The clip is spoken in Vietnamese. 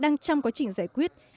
đang trong quá trình giải quyết